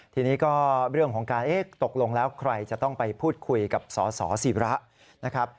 ทีนี้ก็เรื่องของการตกลงแล้วใครจะต้องไปพูดคุยกับสอสอศีระ